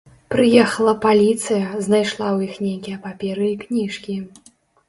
Прыехала паліцыя, знайшла ў іх нейкія паперы і кніжкі.